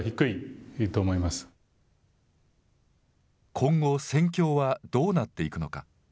今後、戦況はどうなっていくのか。